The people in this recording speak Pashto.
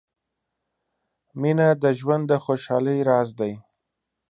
• مینه د ژوند د خوشحالۍ راز دی.